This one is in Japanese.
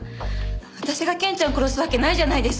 私がケンちゃんを殺すわけないじゃないですか！